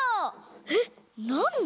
えっなんで？